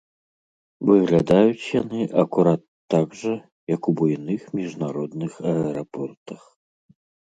Выглядаюць яны акурат так жа, як у буйных міжнародных аэрапортах.